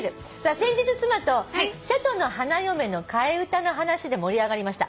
「先日妻と『瀬戸の花嫁』の替え歌の話で盛り上がりました」